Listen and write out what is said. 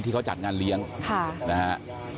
ที่เขาจัดงานเลี้ยงนะฮะ